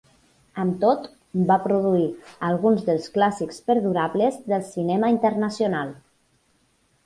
Amb tot, va produir alguns dels clàssics perdurables del cinema internacional.